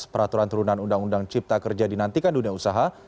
peraturan turunan undang undang cipta kerja dinantikan dunia usaha